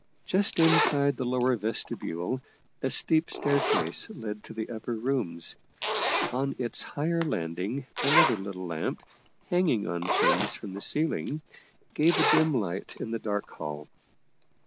Just inside the lower vestibule a steep staircase led to the upper rooms. On its higher landing another little lamp, hanging on chains from the ceiling, gave a dim light in the dark hall.